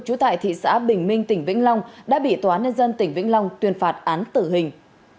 trú tại thị xã bình minh tỉnh vĩnh long đã bị tòa án nhân dân tỉnh vĩnh long tuyên phạt án tử hình